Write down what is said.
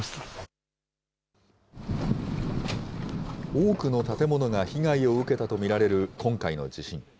多くの建物が被害を受けたと見られる今回の地震。